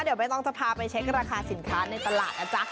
เดี๋ยวใบตองจะพาไปเช็คราคาสินค้าในตลาดนะจ๊ะ